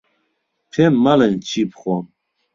پێم مەڵێن چی بخۆم.